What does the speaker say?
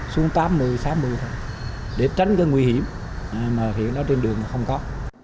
xuống tám mươi sáu mươi thôi để tránh cái nguy hiểm mà thì nó trên đường không có